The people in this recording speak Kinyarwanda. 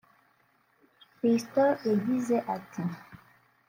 Fiston yagize ati